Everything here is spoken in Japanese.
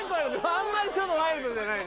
あんまりちょっとワイルドじゃないな。